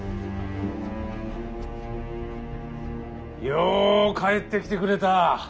よう帰ってきてくれた。